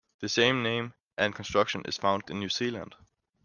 The same name and construction is found in New Zealand.